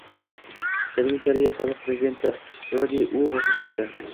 Janubiy Koreya sobiq prezidenti Ro De U vafot etdi